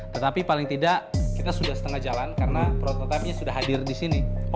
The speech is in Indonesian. tetapi paling tidak kita sudah setengah jalan karena prototipe sudah hadir disini